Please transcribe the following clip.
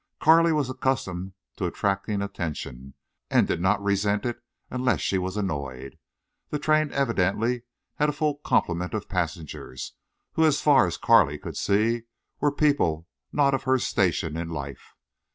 Carley was accustomed to attracting attention, and did not resent it, unless she was annoyed. The train evidently had a full complement of passengers, who, as far as Carley could see, were people not of her station in life.